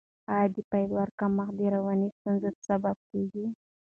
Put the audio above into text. آیا د فایبر کمښت د رواني ستونزو سبب کیږي؟